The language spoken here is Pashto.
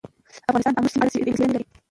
افغانستان د آمو سیند په اړه علمي څېړنې لري.